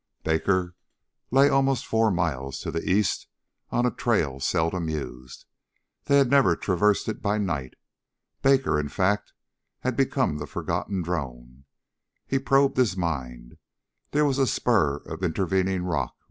Baker lay almost four miles to the east on a trail seldom used. They had never traversed it by night. Baker, in fact, had become the forgotten drone. He probed his mind. There was a spur of intervening rock